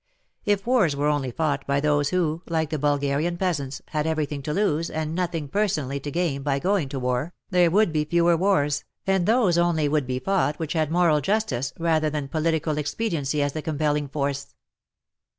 If wars were only fought by those who, like the Bulgarian peasants, had everything to lose and nothing personally to gain by going to war, there would be fewer wars, and those only would be fought which had moral justice rather than political expedi ency as the compelling force.